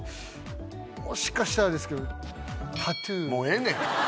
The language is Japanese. もしかしたらですけどもうええねん！